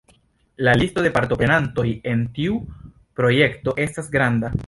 La listo de partoprenantoj en tiu projekto estas granda.